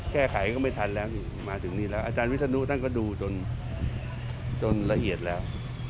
แก้ไขก็ไม่ทันแล้วมาถึงนี่แล้วอาจารย์วิศนุท่านก็ดูจนละเอียดแล้ว